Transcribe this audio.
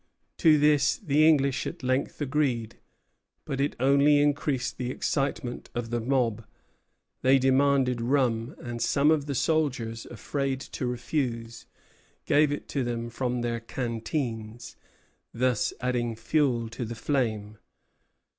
To this the English at length agreed; but it only increased the excitement of the mob. They demanded rum; and some of the soldiers, afraid to refuse, gave it to them from their canteens, thus adding fuel to the flame.